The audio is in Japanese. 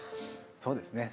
そうですね。